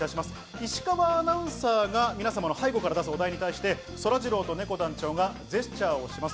石川アナウンサーが皆様の背後から出すお題に対してそらジローとねこ団長がジェスチャーをします。